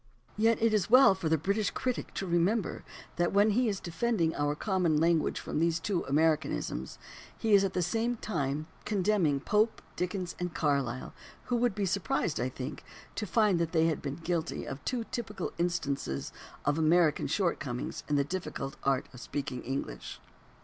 Yet it is well for the British critic to remember that when he is defending our common language from these two Americanisms he is at the same time condemning Pope, Dickens, and Carlyle, who would be surprised, I think, to find that they had been guilty of two typical 250 THE ORIGIN OF CERTAIN AMERICANISMS instances of American shortcomings in the difficult art of speaking English.